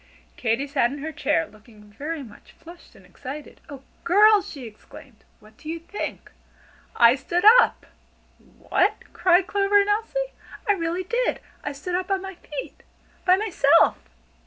Katy sat in her chair, looking very much flushed and excited. "Oh, girls!" she exclaimed, "what do you think? I stood up!" "What?" cried Clover and Elsie. "I really did! I stood up on my feet! by myself!"